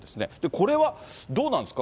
これはどうなんですか？